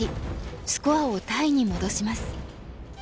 スコアをタイに戻します。